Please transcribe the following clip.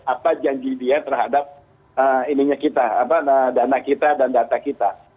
apa janji dia terhadap dana kita dan data kita